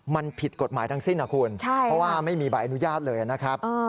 มันผิดกฎหมายทั้งสิ้นนะคุณเพราะว่าไม่มีใบอนุญาตเลยนะครับ